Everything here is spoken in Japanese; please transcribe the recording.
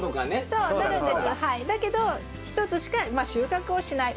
だけど１つしかまあ収穫をしない。